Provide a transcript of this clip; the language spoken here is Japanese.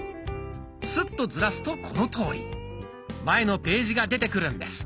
スッとずらすとこのとおり前のページが出てくるんです。